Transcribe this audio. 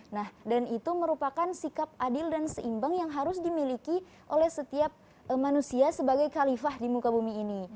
nah dan itu merupakan sikap adil dan seimbang yang harus dimiliki oleh setiap manusia sebagai kalifah di muka bumi ini